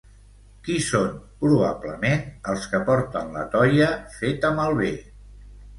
Qui són, probablement, els que porten la toia feta malbé?